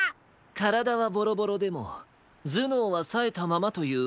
からだはボロボロでもずのうはさえたままというわけか。